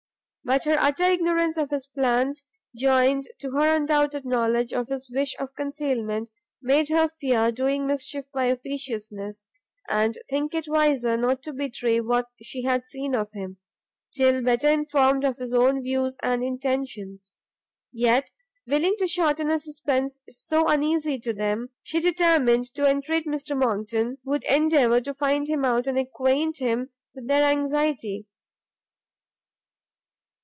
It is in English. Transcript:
But her utter ignorance of his plans, joined to her undoubted knowledge of his wish of concealment, made her fear doing mischief by officiousness, and think it wiser not to betray what she had seen of him, till better informed of his own views and intentions. Yet, willing to shorten a suspence so uneasy to them, she determined to entreat Mr Monckton would endeavour to find him out, and acquaint him with their anxiety.